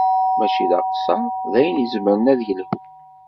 Mačči d aqeṣṣer, d ayen izemren ad yelḥu.